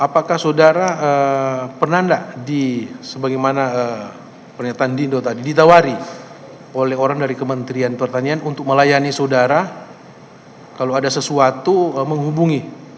apakah saudara pernah nggak sebagaimana pernyataan dino tadi ditawari oleh orang dari kementerian pertanian untuk melayani saudara kalau ada sesuatu menghubungi